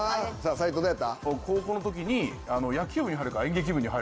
斉藤どうやった？